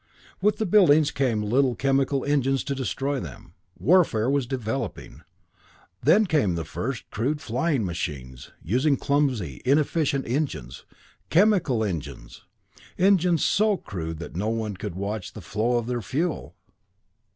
With the buildings came little chemical engines to destroy them; warfare was developing. Then came the first crude flying machines, using clumsy, inefficient engines. Chemical engines! Engines so crude that one could watch the flow of their fuel!